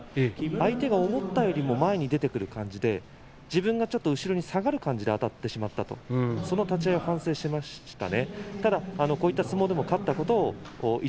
相手が思ったよりも前に出てくる感じで自分が後ろに下がる感じであたってしまったと反省してました。